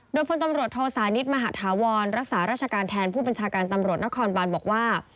โดยพลตำรวจโทสานิทมหาธาวรรักษาราชการแทนผู้บัญชาการตำรวจนครบานบอกว่า